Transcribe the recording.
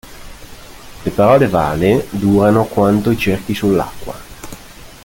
Le parole vane durano quanto i cerchi sull'acqua.